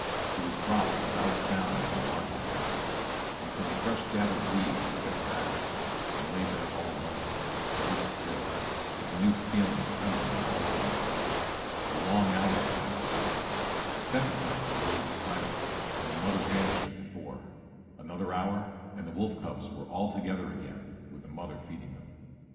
He was dropped without a sound in a larger den, on some fresh gathered leaves and dead grass, and lay there all alone, very still, with the new feeling trembling all over him. A long hour passed; a second cub was laid beside him, and the mother vanished as before; another hour, and the wolf cubs were all together again with the mother feeding them.